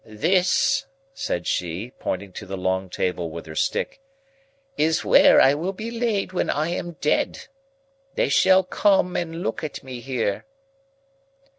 "This," said she, pointing to the long table with her stick, "is where I will be laid when I am dead. They shall come and look at me here."